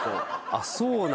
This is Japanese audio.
あっそう。